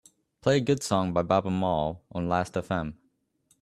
play a good song by Baaba Maal on Lastfm